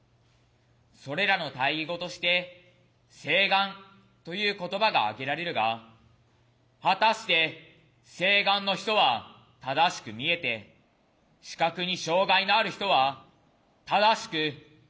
それらの対義語として晴眼という言葉が挙げられるが果たして晴眼の人は「正しく」見えて視覚に障害のある人は「正しく」見ることができないのか。